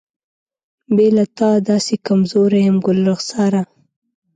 بې له تا داسې کمزوری یم ګلرخساره.